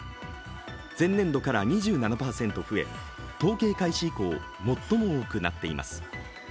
前年度から２７％増え、統計開始以降最も多くなっています。